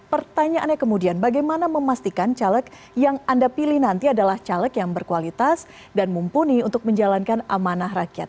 pertanyaannya kemudian bagaimana memastikan caleg yang anda pilih nanti adalah caleg yang berkualitas dan mumpuni untuk menjalankan amanah rakyat